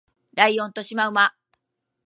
ライオンとシマウマ